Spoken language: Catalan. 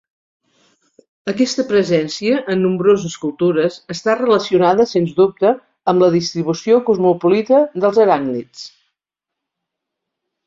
Aquesta presència en nombroses cultures està relacionada sens dubte amb la distribució cosmopolita dels aràcnids.